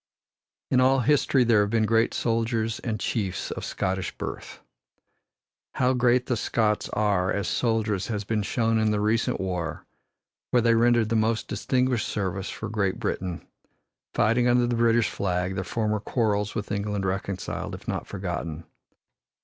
In all history there have been great soldiers and chiefs of Scottish birth. How great the Scots are as soldiers has been shown in the recent war, where they rendered the most distinguished service for Great Britain, fighting under the British flag, their former quarrels with England reconciled, if not forgotten.